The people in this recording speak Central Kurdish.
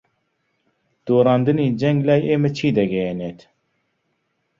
دۆڕاندنی جەنگ لای ئێمە چی دەگەیەنێت؟